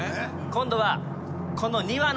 今度は。